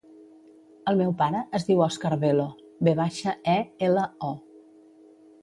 El meu pare es diu Òscar Velo: ve baixa, e, ela, o.